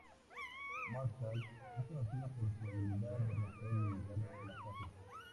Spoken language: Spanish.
Marshall es conocido por su habilidad de romper y evitar placajes.